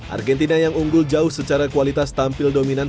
argentina yang unggul jauh secara kualitas tampil dominan